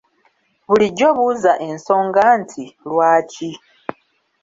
Bulijjo buuza ensonga nti; lwaki?